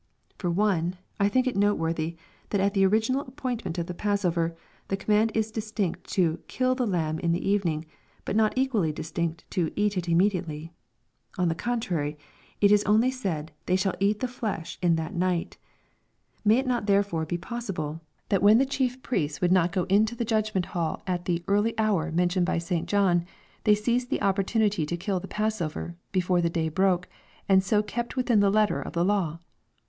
For one thing, I think it noteworthy that at the original ap pointment of the passover, the command is distinct to JeiU the lamb in the evening, but not equally distinct to eat it im mediately. On the contrary, it is only said " they shall eat the flesh in that night" (Exodus xii. 8.) May it not therefore be poeable, that when the chief priests would not go into tha 17* 894 EXPOSITORY THOUGHTS. •udgment hall at the " early hour" mentioned by St John, they seized the opportunity to eat the passover, before the day broke, and 80 kept within the letter of the law